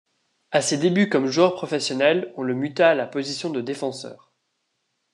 À ses débuts comme joueur professionnel, on le muta à la position de défenseur.